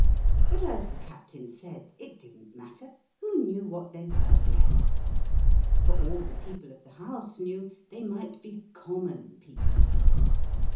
But as the captain said, it didn't matter ; who knew what they were, there ? For all the people of the house knew, they might be common people.